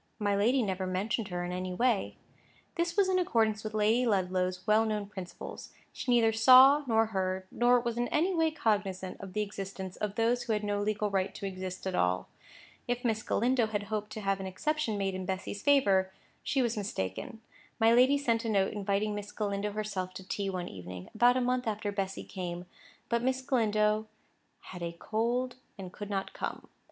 My lady never mentioned her in any way. This was in accordance with Lady Ludlow's well known principles. She neither saw nor heard, nor was in any way cognisant of the existence of those who had no legal right to exist at all. If Miss Galindo had hoped to have an exception made in Bessy's favour, she was mistaken. My lady sent a note inviting Miss Galindo herself to tea one evening, about a month after Bessy came; but Miss Galindo "had a cold and could not come."